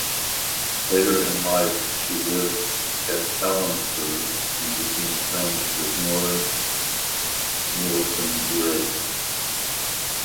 Later in life she lived at Helensburgh and became friends with Norah Neilson Gray.